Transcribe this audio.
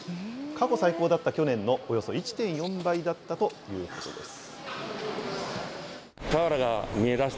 過去最高だった去年のおよそ１．４倍だったということです。